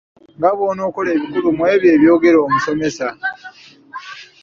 Nga bw’onokola ebikulu mw’ebyo ebyogerwa omusomesa.